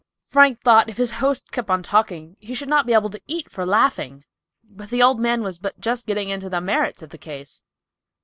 Frank thought if his host kept on talking he should not be able to eat for laughing, but the old man was but just getting into the merits of the case!